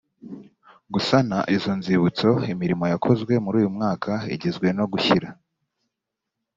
gusana izo nzibutso imirimo yakozwe muri uyu mwaka igizwe no gushyira